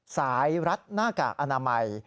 รัดหน้ากากอนามัย